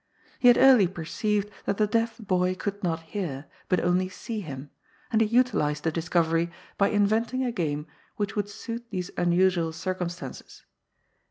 He had early perceived that the deaf boy could not hear, but only see him, and he utilized the discovery by inventing a game which would suit these unusual circumstances.